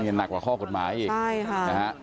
นี่หนักกว่าข้อกฎหมายอีก